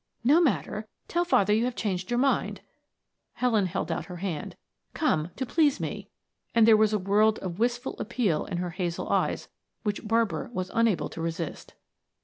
"No matter; tell father you have changed your mind." Helen held out her hand. "Come, to please me," and there was a world of wistful appeal in her hazel eyes which Barbara was unable to resist.